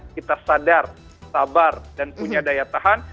kita sadar sabar dan punya daya tahan